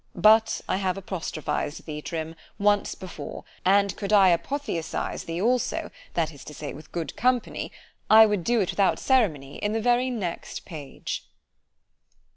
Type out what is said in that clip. ——But I have apostrophiz'd thee, Trim! once before——and could I apotheosize thee also (that is to say) with good company——I would do it without ceremony in the very next page.